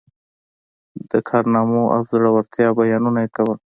د کارنامو او زړه ورتیا بیانونه یې کول.